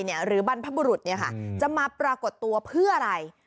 หรือบรรพบุรุษจะมาปรากฏตัวเพื่ออะไร